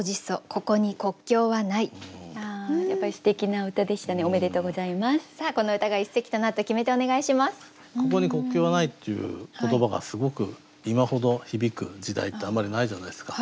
「ここに国境はない」っていう言葉がすごく今ほど響く時代ってあんまりないじゃないですか。